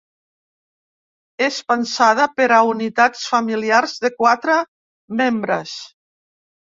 És pensada per a unitats familiars de quatre membres.